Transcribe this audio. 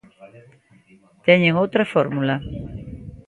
Teñen outra fórmula.